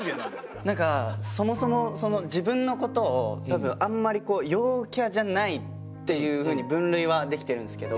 なんかそもそも自分の事を多分あんまりこう陽キャじゃないっていう風に分類はできてるんですけど